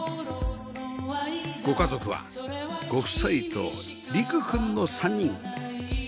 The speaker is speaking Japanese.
ご家族はご夫妻と理玖くんの３人